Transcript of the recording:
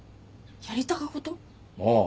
ああ。